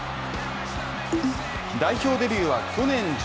代表デビューは去年１１月。